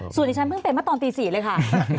ส่วนที่ฉันเพิ่งเป็นเมื่อตอนตี๔เลยค่ะ